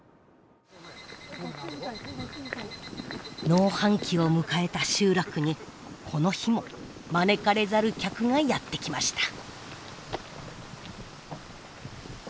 農繁期を迎えた集落にこの日も招かれざる客がやって来ました。